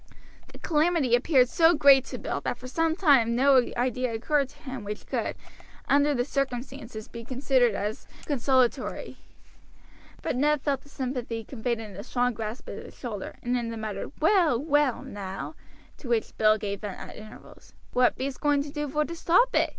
The calamity appeared so great to Bill that for some time no idea occurred to him which could, under the circumstances, be considered as consolatory. But Ned felt the sympathy conveyed in the strong grasp of his shoulder, and in the muttered "Well, well, now!" to which Bill gave vent at intervals. "What bee'st going to do vor to stop it?"